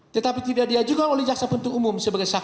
tetapi tidak diajukan oleh saksi penuntut umum